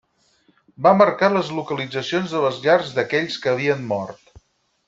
Va marcar les localitzacions de les llars d'aquells que havien mort.